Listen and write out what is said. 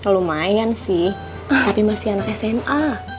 lumayan sih tapi masih anak sma